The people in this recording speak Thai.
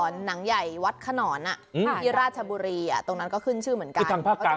หนังใหญ่วัดขนอนที่ราชบุรีตรงนั้นก็ขึ้นชื่อเหมือนกัน